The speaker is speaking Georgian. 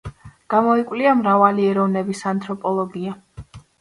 გამოიკვლია მრავალი ეროვნების ანთროპოლოგია.